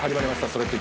「それって！？